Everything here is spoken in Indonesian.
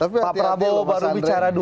pak prabowo baru bicara dua ribu tiga puluh